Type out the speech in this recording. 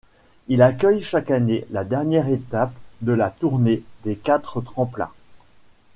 Il accueille chaque année la dernière étape de la Tournée des quatre tremplins.